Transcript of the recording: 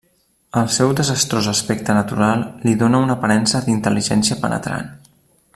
El seu desastrós aspecte natural li dóna una aparença d'intel·ligència penetrant.